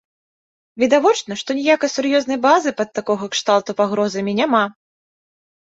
Відавочна, што ніякай сур'ёзнай базы пад такога кшталту пагрозамі няма.